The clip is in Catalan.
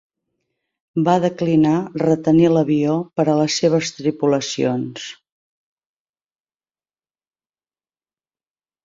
Va declinar retenir l'avió per a les seves tripulacions.